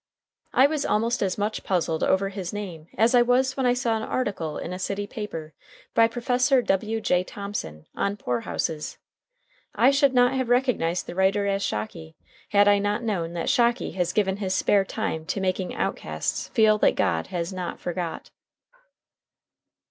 I was almost as much puzzled over his name as I was when I saw an article in a city paper, by Prof. W.J. Thomson, on Poor Houses. I should not have recognized the writer as Shocky, had I not known that Shocky has given his spare time to making outcasts feel that God has not forgot.